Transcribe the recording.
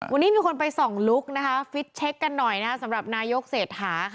วันนี้มีคนไปส่องลุคนะคะฟิตเช็คกันหน่อยสำหรับนายกเศรษฐาค่ะ